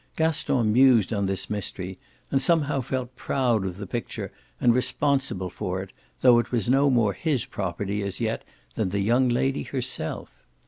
Gaston mused on this mystery and somehow felt proud of the picture and responsible for it, though it was no more his property as yet than the young lady herself.